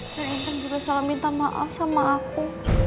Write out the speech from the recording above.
dan intan juga selalu minta maaf sama aku